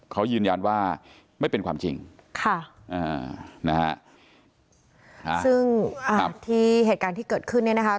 เขายืนยันว่าไม่เป็นความจริงค่ะอ่านะฮะซึ่งอ่าที่เหตุการณ์ที่เกิดขึ้นเนี่ยนะคะ